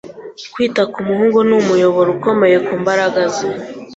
Kwita ku muhungu ni umuyoboro ukomeye ku mbaraga ze.